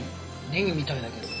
ネギみたいだけど。